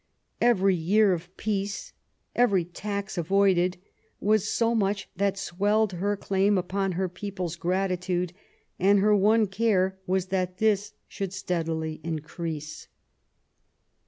Every year of peace, every tax avoided, was so much that swelled her claim upon her people's gratitude ; and her one care was that this should steadily increase.